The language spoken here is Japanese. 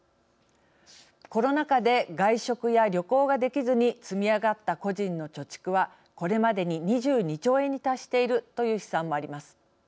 コロナ禍で外食や旅行ができずに積み上がった個人の貯蓄はこれまでに２２兆円に達しているという試算もあります。